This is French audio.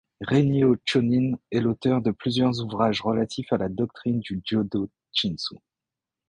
Rennyo Shonin est l'auteur de plusieurs ouvrages relatif à la doctrine du Jōdo Shinshū.